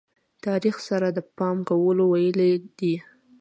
تاریخ سره د پام کولو ویلې دي.